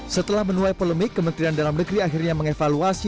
setelah menuai polemik kementerian dalam negeri akhirnya mengevaluasi